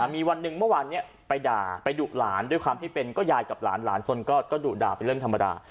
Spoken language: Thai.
มีวันหนึ่งเมื่อวานไปด่าไปดุหลานด้วยความที่เป็นก็ยายกับหลานหลานสนก็ดุด่าเป็นเรื่องธรรมดา